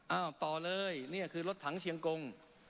เอ้าต่อเลยเนี่ยคือรถถังเซียงกง